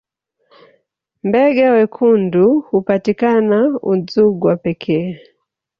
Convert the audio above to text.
mbega wekundu hupatikana udzungwa pekee